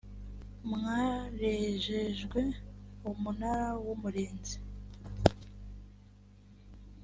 mwarejejwe umunara w umurinzi